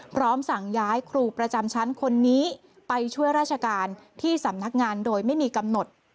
พร้อมสั่งย้ายครูประจำชั้นคนนี้ไปช่วยราชการที่สำนักงานโดยไม่มีกำหนด